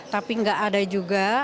tapi nggak ada juga